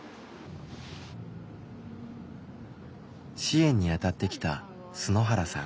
支援にあたってきた春原さん。